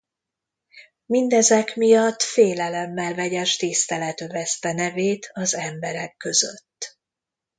Mindezek miatt félelemmel vegyes tisztelet övezte nevét az emberek között.